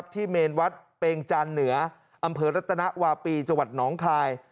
ที่เมนวัดเป็งจันทร์เหนืออำเภอรัฐนักวาปีจักรหนองคลาย